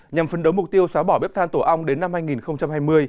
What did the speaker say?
nhằm phấn đấu mục tiêu xóa bỏ bếp than tổ ong đến năm hai nghìn hai mươi